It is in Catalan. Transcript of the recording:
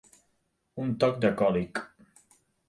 Un toc de còlic.